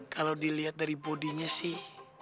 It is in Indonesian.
kalau dilihat dari bodinya sih